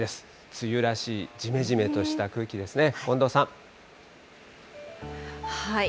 梅雨らしいじめじめとした空気ですね。